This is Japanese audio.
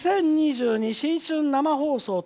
「２０２２新春生放送！